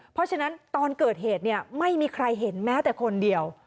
เพราะฉะนั้นตอนเกิดเหตุเนี่ยไม่มีใครเห็นแม้แต่คนเดียว